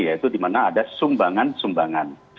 yaitu dimana ada sumbangan sumbangan